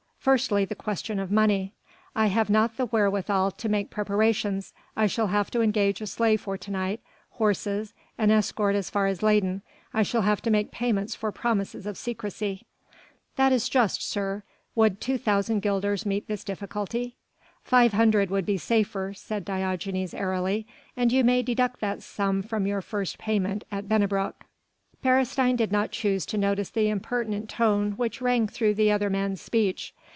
"Firstly the question of money. I have not the wherewithal to make preparations. I shall have to engage a sleigh for to night, horses, an escort as far as Leyden. I shall have to make payments for promises of secrecy...." "That is just, sir. Would 200 guilders meet this difficulty?" "Five hundred would be safer," said Diogenes airily, "and you may deduct that sum from your first payment at Bennebrock." Beresteyn did not choose to notice the impertinent tone which rang through the other man's speech.